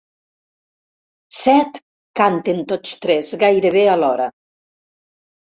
Set! —canten tots tres, gairebé alhora.